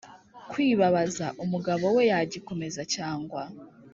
Kwibabaza umugabo we yagikomeza cyangwa